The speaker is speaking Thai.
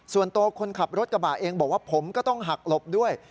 ส่วนตัวคนขับรถกระบะเองบอกว่าผมก็ต้องหักหลบด้วย